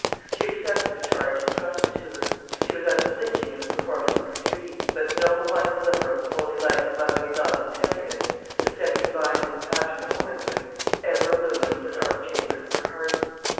She accepted the charge intrusted to her. She was unflinching in the performance of her duty; but no one glimmer of the holy light of motherly love and tenderness, the semi divine compassion of womanhood, ever illumined the dark chambers of her heart.